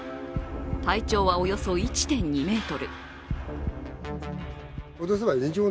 体長はおよそ１．２ｍ。